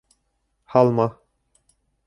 Һалма